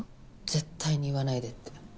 絶対に言わないでって。